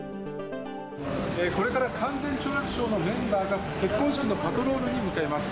これから、勧善懲悪省のメンバーが、結婚式場のパトロールに向かいます。